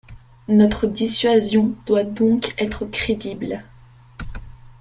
Notre dissuasion doit donc être crédible.